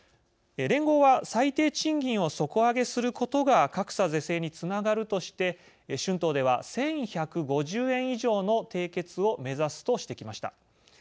連合は最低賃金を底上げすることが格差是正につながるとして春闘では１１５０円以上の締結を目指すとしてきました。